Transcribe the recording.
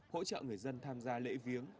hỗ trợ người dân tham gia lễ viếng